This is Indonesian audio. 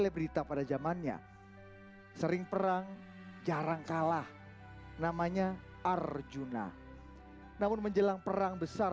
berita pada zamannya sering perang jarang kalah namanya arjuna namun menjelang perang besar